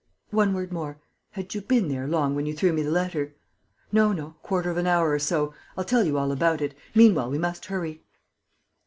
"One word more. Had you been there long when you threw me the letter?" "No, no. A quarter of an hour or so. I'll tell you all about it.... Meanwhile, we must hurry."